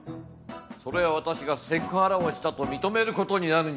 それは私がセクハラをしたと認める事になるんじゃないか？